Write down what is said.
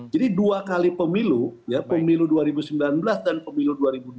jadi dua kali pemilu pemilu dua ribu sembilan belas dan pemilu dua ribu dua puluh empat